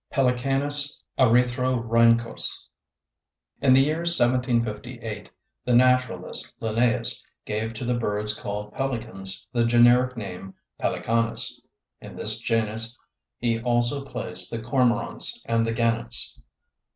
(Pelecanus erythrorhynchos.) In the year 1758 the naturalist Linnaeus gave to the birds called Pelicans the generic name Pelecanus. In this genus he also placed the cormorants and the gannets.